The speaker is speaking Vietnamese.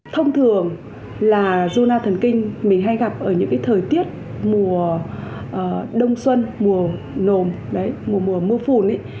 thông thường là zona thần kinh mình hay gặp ở những thời tiết mùa đông xuân mùa nồm mùa mưa phùn ấy